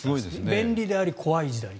便利であり怖い時代。